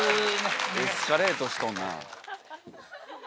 エスカレートしとんな。